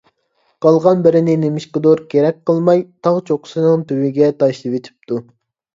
قالغان بىرىنى نېمىشقىدۇر كېرەك قىلماي، تاغ چوققىسىنىڭ تۈۋىگە تاشلىۋېتىپتۇ.